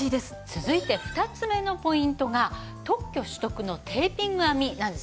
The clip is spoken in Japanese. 続いて２つ目のポイントが特許取得のテーピング編みなんですよね。